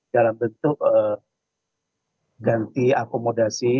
dalam bentuk ganti akomodasi